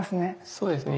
そうですね。